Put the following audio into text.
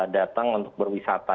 datang untuk berwisata